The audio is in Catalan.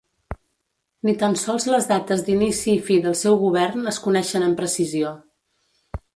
Ni tan sols les dates d'inici i fi del seu govern es coneixen amb precisió.